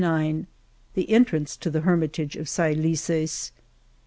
86 The entrance to the hermitage of Saelices